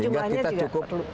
sehingga kita cukup